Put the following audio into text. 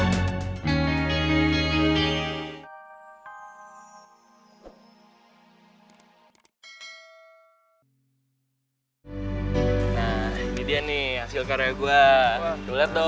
nah ini dia nih hasil karya gue lo liat dong